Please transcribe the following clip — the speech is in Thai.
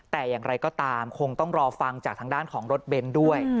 แต่อย่างไรก็ตามคงต้องรอฟังจากทางด้านของรถเบนท์ด้วย